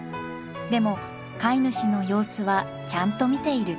でも飼い主の様子はちゃんと見ている。